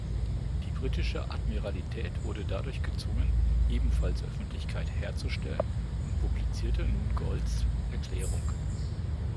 Die britische Admiralität wurde dadurch gezwungen, ebenfalls Öffentlichkeit herzustellen und publizierte nun Goltz’ Erklärung.